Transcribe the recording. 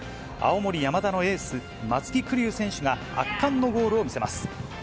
青森山田のエース、松木玖生選手が、圧巻のゴールを見せます。